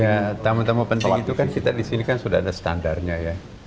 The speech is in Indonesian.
ya tamu tamu penting itu kan kita di sini kan sudah ada standarnya ya